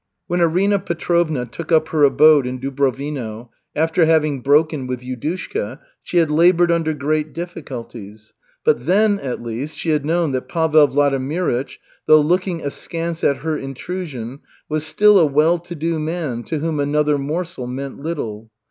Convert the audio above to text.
When Arina Petrovna took up her abode in Dubrovino, after having broken with Yudushka, she had labored under great difficulties. But then, at least, she had known that Pavel Vladimirych, though looking askance at her intrusion, was still a well to do man to whom another morsel meant little.